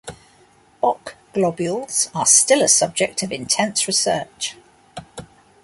Bok globules are still a subject of intense research.